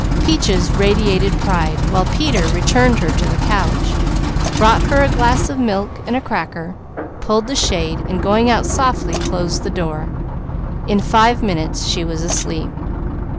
Peaches radiated pride while Peter returned her to the couch, brought her a glass of milk and a cracker, pulled the shade, and going out softly closed the door. In five minutes she was asleep.